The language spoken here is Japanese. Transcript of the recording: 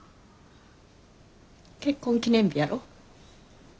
結婚記念日やろ。